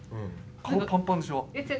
顔パンパンでしょ？